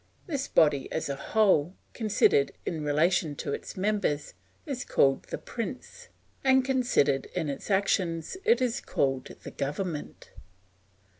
This body, as a whole, considered in relation to its members, is called the prince, and considered in its actions it is called the government.